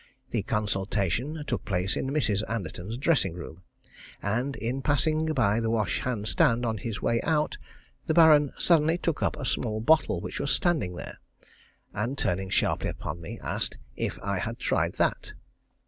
The consultation took place in Mrs. Anderton's dressing room, and in passing by the wash hand stand on his way out, the Baron suddenly took up a small bottle which was standing there, and turning sharply upon me, asked "if I had tried that?"